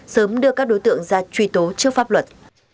sớm đưa các đối tượng ra truy tố trước pháp luật